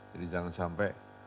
jadi jangan sampai ada sejarah